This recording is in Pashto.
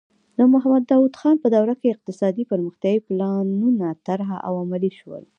د محمد داؤد خان په دوره کې اقتصادي پرمختیايي پلانونه طرح او عملي شول.